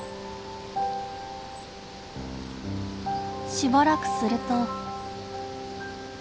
しばらくすると。